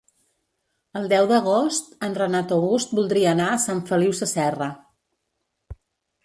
El deu d'agost en Renat August voldria anar a Sant Feliu Sasserra.